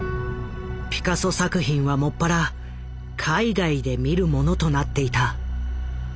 ピカソ作品は専ら海外で見るものとなっていた。